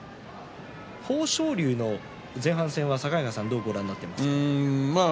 豊昇龍、前半戦はどうご覧になっていますか。